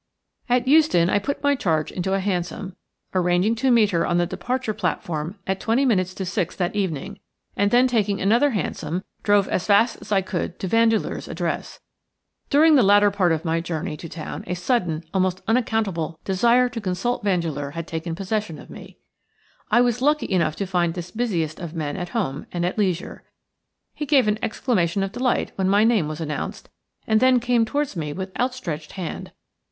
At Euston I put my charge into a hansom, arranging to meet her on the departure platform at twenty minutes to six that evening, and then taking another hansom drove as fast as I could to Vandeleur's address. During the latter part of my journey to town a sudden, almost unaccountable, desire to consult Vandeleur had taken possession of me. I was lucky enough to find this busiest of men at home and at leisure. He gave an exclamation of delight when my name was announced, and then came towards me with outstretched hand.